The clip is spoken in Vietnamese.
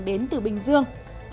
đến từ bình dương